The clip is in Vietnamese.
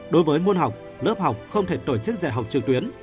đối với môn học lớp học không thể tổ chức dạy học trực tuyến